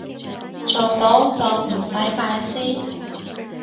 做到就唔使拜師